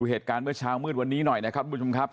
เหตุการณ์เมื่อเช้ามืดวันนี้หน่อยนะครับทุกผู้ชมครับ